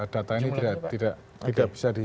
data ini tidak bisa